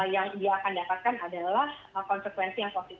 yang dia akan dapatkan adalah konsekuensi yang positif